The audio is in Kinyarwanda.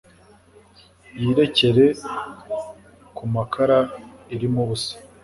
yirekere ku makara irimo ubusa